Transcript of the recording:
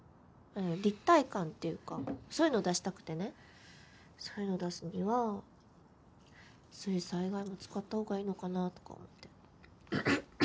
立体感っていうかそういうのを出したくてねそういうのを出すのには水彩以外も使ったほうがいいのかなとか思って。